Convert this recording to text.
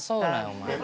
お前。